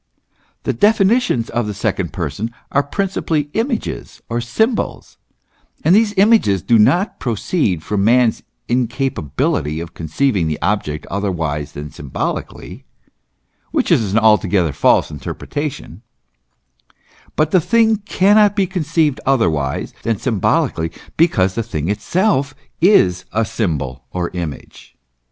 The definitions of the second Person are principally images or symbols; and these images do not proceed from man's incapability of conceiving the object otherwise than symbolically, which is an altogether false interpretation, but the thing cannot be conceived other wise than symbolically because the thing itself is a symbol or image.